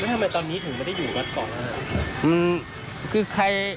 แล้วทำไมตอนนี้ถึงไม่ได้อยู่วัดเกาะ